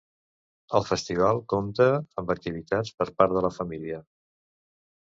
El festival compta amb activitats per part de la família.